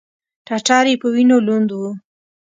ټټر یې په وینو لوند و.